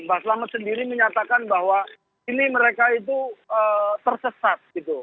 mbak selamat sendiri menyatakan bahwa ini mereka itu tersesat gitu